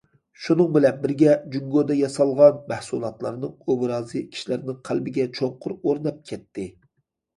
شۇنىڭ بىلەن بىرگە،« جۇڭگودا ياسالغان» مەھسۇلاتلارنىڭ ئوبرازى كىشىلەرنىڭ قەلبىگە چوڭقۇر ئورناپ كەتتى.